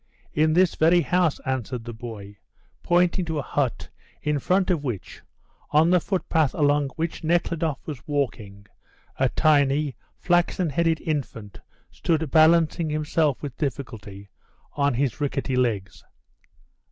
"In this very house," answered the boy, pointing to a hut, in front of which, on the footpath along which Nekhludoff was walking, a tiny, flaxen headed infant stood balancing himself with difficulty on his rickety legs.